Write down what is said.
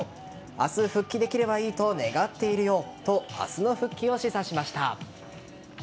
明日復帰できればいいと願っているよと明日の復帰を示唆しました。